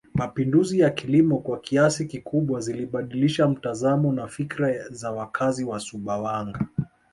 Mapinduzi ya kilimo kwa kiasi kikubwa zilibadilisha mtazamo na fikra za wakazi wa Sumbawanga